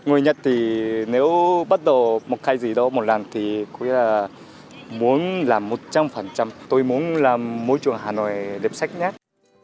người nhật thì nếu bắt đầu một cái gì đó một lần thì cũng là muốn làm một trăm linh tôi muốn làm môi trường hà nội đẹp sạch nhất